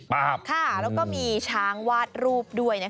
แล้วก็มีช้างวาดรูปด้วย